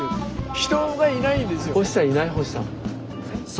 人がいないんですよ。